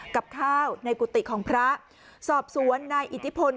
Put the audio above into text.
กับข้าวในกุฏิของพระสอบสวนนายอิทธิพล